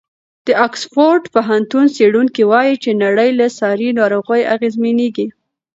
د اکسفورډ پوهنتون څېړونکي وایي چې نړۍ له ساري ناروغیو اغېزمنېږي.